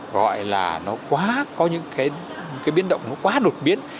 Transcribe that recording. gọi là nó quá có những cái biến động nó quá đột biến